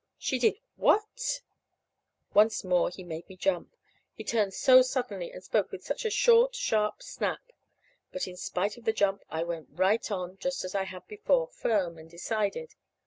"She did what?" Once more he made me jump, he turned so suddenly, and spoke with such a short, sharp snap. But in spite of the jump I went right on, just as I had before, firm and decided.